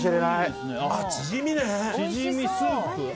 チヂミ、スープ。